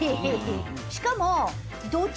しかも。